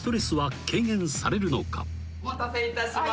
「お待たせいたしました。